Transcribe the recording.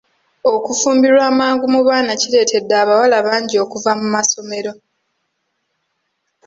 Okufumbirwa amangu mu baana kireetedde abawala bangi okuva mu masomero.